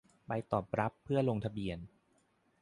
ใบตอบรับเพื่อลงทะเบียน